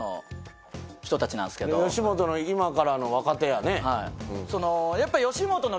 吉本の今からの若手やね。